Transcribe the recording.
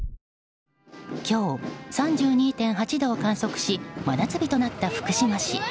今日、３２．８度を観測し真夏日となった福島市。